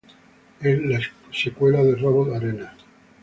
Es la secuela de Robot Arena.